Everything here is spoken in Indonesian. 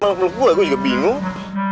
malah melukulah gue juga bingung